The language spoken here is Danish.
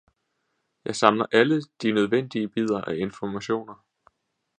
Jeg samler alle de nødvendige bidder af informationer.